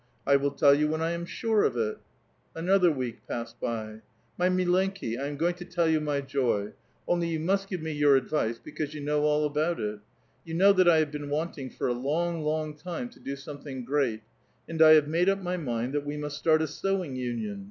I will tell you when I am sure of it." AnotliLT wi'i'k passed ])v. '* My milenkis 1 am going to tell you my joy; only you must give nio vour advice, because vou know all about it. You know that I have been wanting for a long, long time to do something great ; and I have made up my mind that we must start a sewing union.